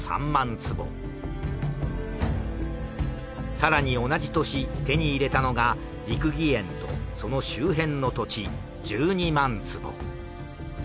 更に同じ年手に入れたのが六義園とその周辺の土地１２万坪。